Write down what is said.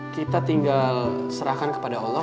kita tinggal serahkan kepada allah